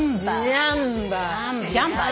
ジャンバー。